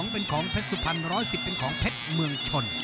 เป็นของเพชรสุพรรณ๑๑๐เป็นของเพชรเมืองชน